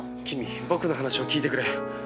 キミ僕の話を聞いてくれ。